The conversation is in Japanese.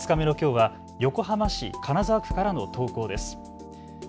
２日目のきょうは横浜市金沢区からの投稿です。